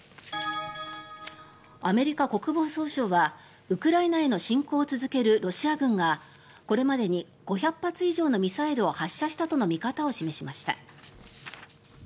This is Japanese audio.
アメリカ国防総省はウクライナへの侵攻を続けるロシア軍がこれまでに５００発以上のミサイルを発射したとの見方を示しました。